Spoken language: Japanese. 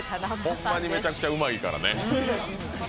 ホンマにめちゃくちゃうまいからね。